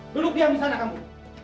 duduk diam di sana kamu